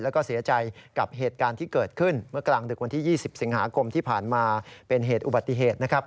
แล้วก็เสียใจกับเหตุการณ์ที่เกิดขึ้นเมื่อกลางดึกวันที่๒๐สิงหาคมที่ผ่านมาเป็นเหตุอุบัติเหตุนะครับ